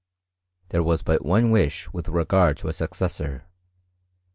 There was but one wish with regard to a successor.